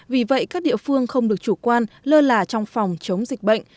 vì vậy các địa phương không được chủ quan lơ là trong phòng chống dịch bệnh